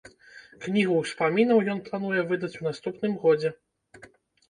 Кнігу ўспамінаў ён плануе выдаць у наступным годзе.